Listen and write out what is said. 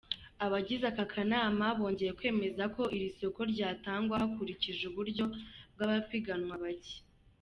Abagize aka akanama bongeye kwemeza ko iri soko ryatangwa hakurikijwe uburyo bw’abapiganwa bake.